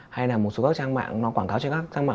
hay là một số các trang mạng nó quảng cáo cho các trang mạng